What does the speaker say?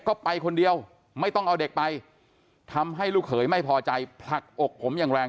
ก็ไปคนเดียวไม่ต้องเอาเด็กไปทำให้ลูกเขยไม่พอใจผลักอกผมอย่างแรง